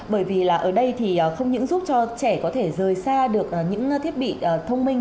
bởi vì là ở đây thì không những giúp cho trẻ có thể rời xa được những thiết bị thông minh